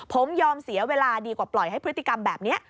ผมยอมเสียเวลาดีกว่าปล่อยให้พฤติกรรมแบบนี้